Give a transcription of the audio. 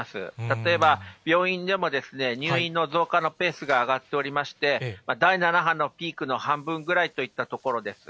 例えば病院でも、入院の増加のペースが上がっておりまして、第７波のピークの半分ぐらいといったところです。